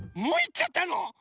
もういっちゃったの？